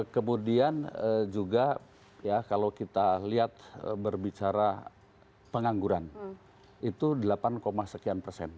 kemudian juga ya kalau kita lihat berbicara pengangguran itu delapan sekian persen